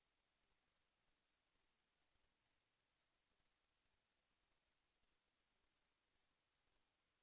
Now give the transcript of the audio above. แสวได้ไงของเราก็เชียนนักอยู่ค่ะเป็นผู้ร่วมงานที่ดีมาก